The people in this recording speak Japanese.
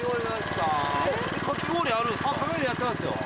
かき氷やってますよ。